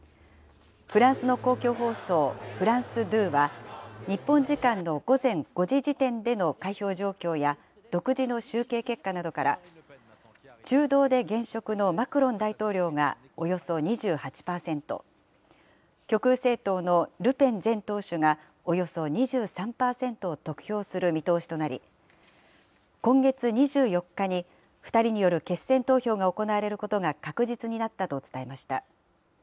フランスの公共放送、フランス２は、日本時間の午前５時時点での開票状況や、独自の集計結果などから、中道で現職のマクロン大統領がおよそ２８％、極右政党のルペン前党首がおよそ２３％を得票する見通しとなり、今月２４日に２人による決選投票が行われることが確実になったと伝えました。